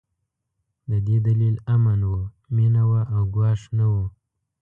د دې دلیل امن و، مينه وه او ګواښ نه و.